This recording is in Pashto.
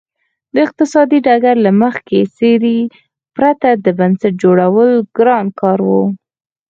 د اقتصادي ډګر له مخکښې څېرې پرته د بنسټ جوړول ګران کار و.